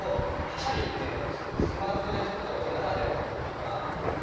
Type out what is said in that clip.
「パシャリ」っていうのはスマホで撮った音ならではというか。